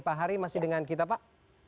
pak hari masih dengan kita pak